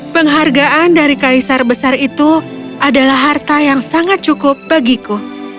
penghargaan dari kaisar besar itu adalah harta yang sangat cukup bagiku